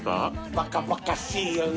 バカバカしいよね。